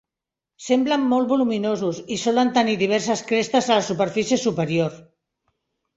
Semblen molt voluminosos i solen tenir diverses crestes a la superfície superior.